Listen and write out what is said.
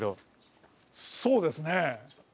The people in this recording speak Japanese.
そうですね。